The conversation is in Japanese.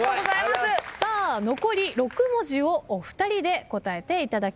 さあ残り６文字をお二人で答えていただきます。